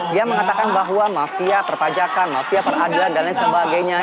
dia mengatakan bahwa mafia perpajakan mafia peradilan dan lain sebagainya